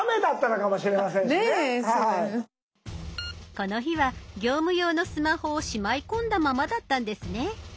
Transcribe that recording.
この日は業務用のスマホをしまい込んだままだったんですね。